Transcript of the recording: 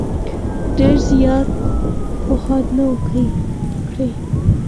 ډېر زیات فتوحات نه وه کړي.